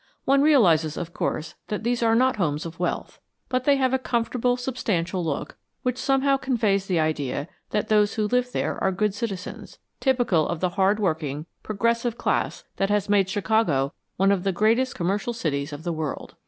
One realizes, of course, that these are not homes of wealth, but they have a comfortable, substantial look, which somehow conveys the idea that those who live there are good citizens, typical of the hard working, progressive class that has made Chicago one of the greatest commercial cities of the world.